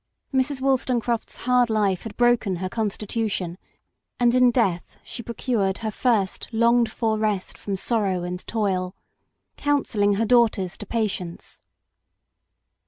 Mrs. Wollstonecraft's hard life had broken her constitution, and in death she procured her first longed for rest from sorrow and toil, counselling her PARENTAGE. 5 daughters to patience.